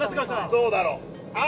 どうだろう？